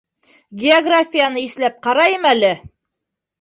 Географияны иҫләп ҡарайым әле!